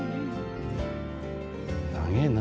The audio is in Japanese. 長えな。